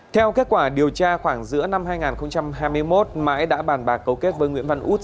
theo kết quả điều tra khoảng giữa năm hai nghìn hai mươi một mãi đã bàn bạc cấu kết với nguyễn văn út